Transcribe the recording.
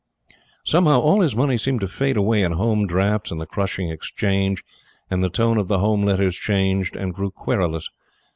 Somehow, all his money seemed to fade away in Home drafts and the crushing Exchange, and the tone of the Home letters changed and grew querulous.